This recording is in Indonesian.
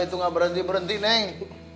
itu nggak berhenti berhenti naik